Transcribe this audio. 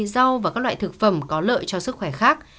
rau và các loại thực phẩm có lợi cho sức khỏe khác